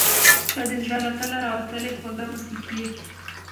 • ته د زړه له تله راوتلې خوږه موسیقي یې.